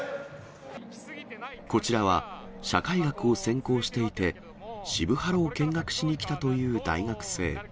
こちらは社会学を専攻していて、渋ハロを見学しに来たという大学生。